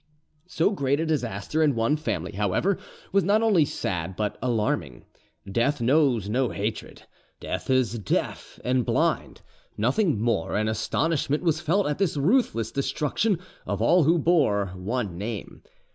So great a disaster in one family, however, was not only sad but alarming. Death knows no hatred: death is deaf and blind, nothing more, and astonishment was felt at this ruthless destruction of all who bore one name.